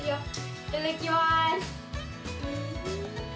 いただきます。